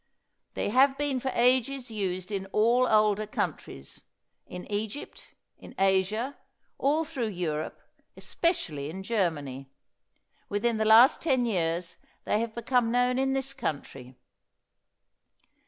They have been for ages used in all older countries, in Egypt, in Asia, all through Europe, especially in Germany. Within the last ten years they have become known in this country.